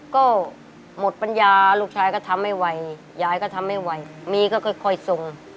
ก็หมดปัญญาลูกชายก็ทำไม่ไหวยายก็ทำไม่ไหวมีก็ค่อยส่ง